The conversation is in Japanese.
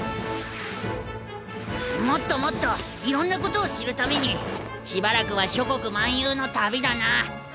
もっともっといろんなことを知るためにしばらくは諸国漫遊の旅だな。